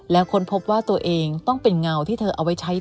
แล้วค้นพบว่าตัวเองต้องเป็นเงาที่เธอเอาไว้ใช้